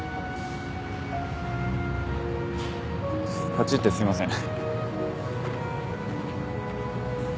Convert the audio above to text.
立ち入ってすいません。